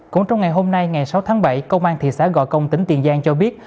cũng trong ngày hôm nay ngày sáu tháng bảy công an thị xã gò công tỉnh tiền giang cho biết